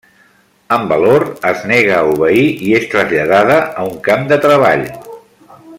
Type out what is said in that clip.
Amb valor, es nega a obeir i és traslladada a un camp de treball.